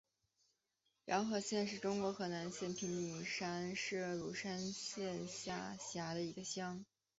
瀼河乡是中国河南省平顶山市鲁山县下辖的一个乡。